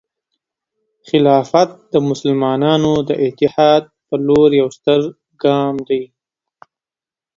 خلافت د مسلمانانو د اتحاد په لور یو ستر ګام دی.